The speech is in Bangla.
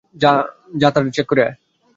যা, তার চেক করে আয়।